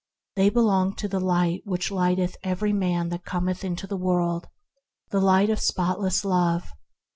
They belong to "the Light which lighteth every man that cometh into the world," the Light of spot less Love.